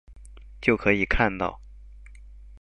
就可以看到